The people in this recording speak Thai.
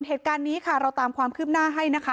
เหตุการณ์นี้ค่ะเราตามความคืบหน้าให้นะคะ